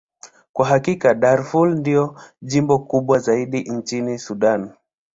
Kwa hakika, Darfur ndilo jimbo kubwa zaidi nchini Sudan.